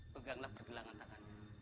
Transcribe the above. peganglah pergelangan tangannya